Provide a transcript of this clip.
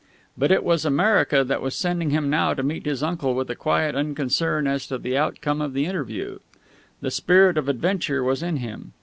But it was America that was sending him now to meet his uncle with a quiet unconcern as to the outcome of the interview. The spirit of adventure was in him.